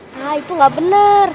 nah itu gak bener